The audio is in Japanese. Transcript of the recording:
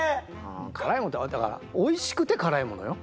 辛いものってだからおいしくて辛いものよ。